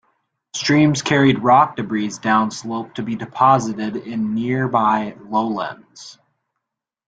Streams carried rock debris downslope to be deposited in nearby lowlands.